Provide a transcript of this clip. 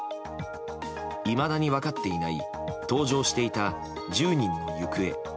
いまだに分かっていない搭乗していた１０人の行方。